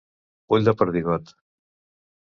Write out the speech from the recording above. Ull de perdigot.